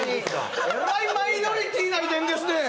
えらいマイノリティーな遺伝ですね。